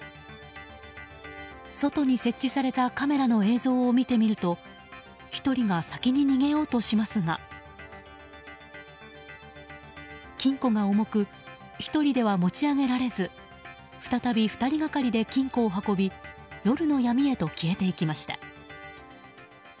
外に設置されたカメラの映像を見てみると１人が先に逃げようとしますが金庫が重く１人では持ち上げられず再び２人がかりで金庫を運び夜の闇へと消えていきました。